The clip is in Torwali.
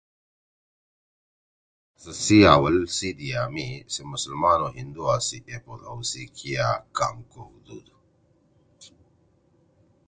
تنُو سیاست سی اول سی دِیا می سے مسلمان او ہندُوا سی ایپوت ہَؤ سی کیا کام کؤدُود